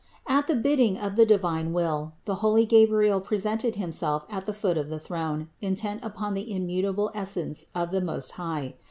111. At the bidding of the divine will the holy Ga briel presented himself at the foot of the throne intent upon the immutable essence of the Most High.